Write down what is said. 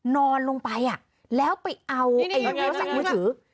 นอนลงไปแล้วไปเอาไอ้ผู้ชายสั่งมือถือ